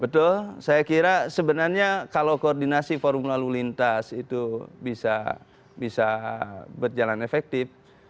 betul saya kira sebenarnya kalau koordinasi forum lalu lintas itu bisa berjalan efektif